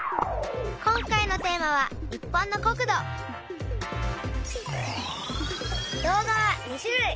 今回のテーマは「日本の国土」。動画は２種類。